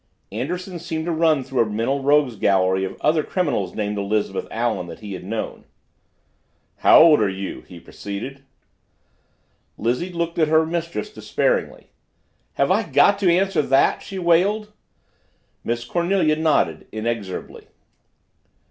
Anderson seemed to run through a mental rogues gallery of other criminals named Elizabeth Allen that he had known. "How old are you?" he proceeded. Lizzie looked at her mistress despairingly. "Have I got to answer that?" she wailed. Miss Cornelia nodded inexorably.